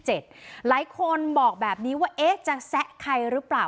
หลายคนบอกแบบนี้ว่าจะแซะใครหรือเปล่า